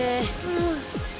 うん。